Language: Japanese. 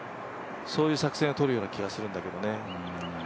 そういう作戦をとるような気がするんだけどね。